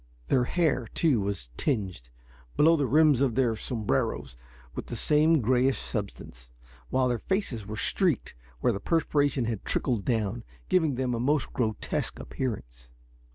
Their hair, too, was tinged, below the rims of their sombreros, with the same grayish substance, while their faces were streaked where the perspiration had trickled down, giving them a most grotesque appearance.